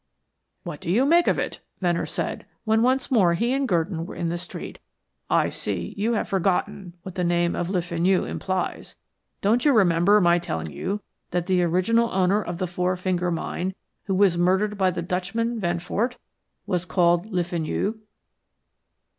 "What do you make of it?" Venner said, when once more he and Gurdon were in the street. "I see you have forgotten what the name of Le Fenu implies. Don't you remember my telling you that the original owner of the Four Finger Mine who was murdered by the Dutchman, Van Fort, was called Le Fenu?"